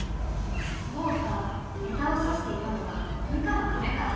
そうか枝をさしていたのは羽化のためか。